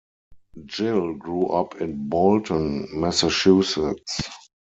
Gill grew up in Bolton, Massachusetts.